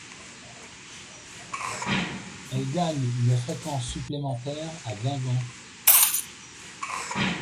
Elle gagne une fréquence supplémentaire à Guingamp.